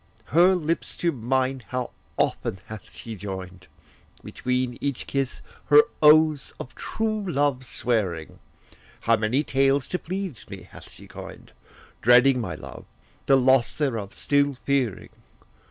Her lips to mine how often hath she joined, Between each kiss her oaths of true love swearing! How many tales to please me bath she coined, Dreading my love, the loss thereof still fearing!